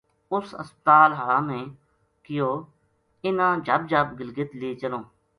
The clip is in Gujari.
اُت ہسپتال ہالاں نے کہیو انھاں جھب جھب گلگلت لے چلوں